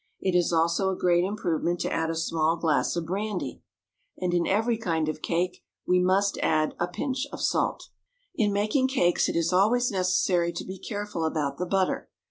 It is also a great improvement to add a small glass of brandy, and in every kind of cake we must add a pinch of salt. In making cakes it is always necessary to be careful about the butter.